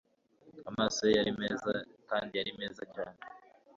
Amaso ye yari meza kandi yari meza cyane